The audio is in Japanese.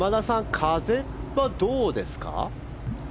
風はどうですか？